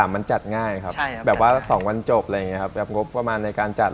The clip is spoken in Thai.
๓๓มันจัดง่ายครับแบบว่า๒วันจบแบบงบประมาณในการจัด